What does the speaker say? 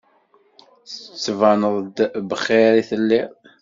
Tettbaneḍ-d bxir i telliḍ.